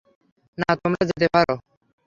না, তোমরা যেতে পারো।